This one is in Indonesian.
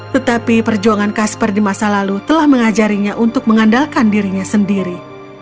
tetapi perjuangan kasper di masa lalu telah mengajarinya untuk mengandalkan dirinya sendiri